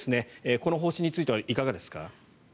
この方針についてはいかがですか？